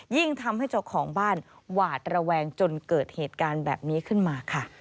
ยิ่งทำให้เจ้าของบ้านหวาดระแวงจนเกิดเหตุการณ์แบบนี้ขึ้นมาค่ะ